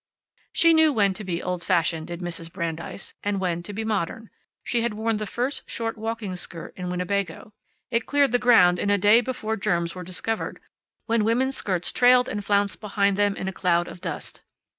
She knew when to be old fashioned, did Mrs. Brandeis, and when to be modern. She had worn the first short walking skirt in Winnebago. It cleared the ground in a day before germs were discovered, when women's skirts trailed and flounced behind them in a cloud of dust.